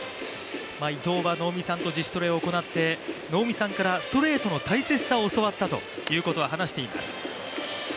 伊藤は能見さんと自主トレを行って、能見さんからストレートの大切さを教わったということを話しています。